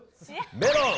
メロン！